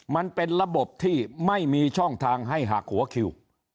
มันเป็นระบบที่ไม่มีช่องทางให้หักหัวคิว